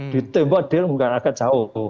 ditembak dia agak jauh